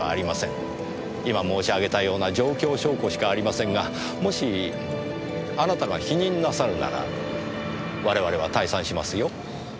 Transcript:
今申し上げたような状況証拠しかありませんがもしあなたが否認なさるなら我々は退散しますよ。